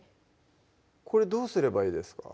これどうすればいいですか？